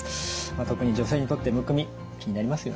特に女性にとってむくみ気になりますよね。